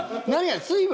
水分？